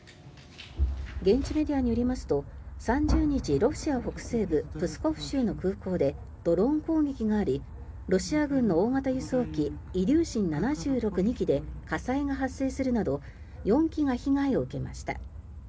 現地メディアによりますと３０日ロシア北西部プスコフ州の空港でドローン攻撃がありロシア軍の大型輸送機イリューシン７６、２機で火災が発生するなど４機が被害を受けました。